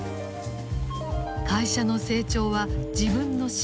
会社の成長は自分の幸せ。